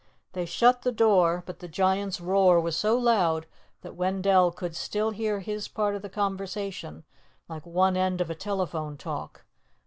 They shut the door, but the Giant's roar was so loud that Wendell could still hear his part of the conversation, like one end of a telephone talk.